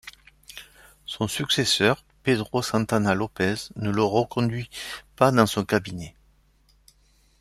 Son successeur, Pedro Santana Lopes, ne le reconduit pas dans son cabinet.